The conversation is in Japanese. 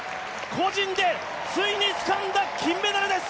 個人でついにつかんだ金メダルです。